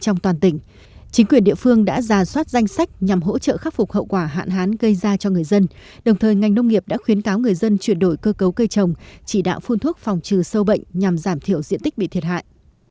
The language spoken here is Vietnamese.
chính quyền địa phương đã giả soát danh sách nhằm hỗ trợ khắc phục hậu quả hạn hán gây ra cho người dân đồng thời ngành nông nghiệp đã khuyến cáo người dân chuyển đổi cơ cấu cây trồng chỉ đạo phun thuốc phòng trừ sâu bệnh nhằm giảm thiểu diện tích bị thiệt hại